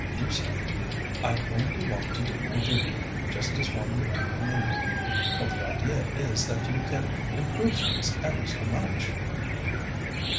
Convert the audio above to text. You say, "I only want to do my duty—just as one would do in England," but the idea is that you can improve things ever so much."